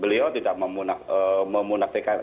beliau tidak memunafikan